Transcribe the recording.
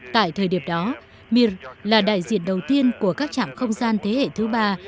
tại thời điểm đó mir là đại diện đầu tiên của các trạm không gian thế hệ thứ ba